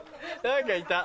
何かいた。